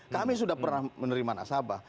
kami sudah pernah menerima nasabah